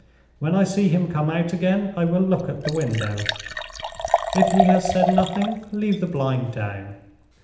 When I see him come out again, I will look at the window. If he has said nothing, leave the blind down.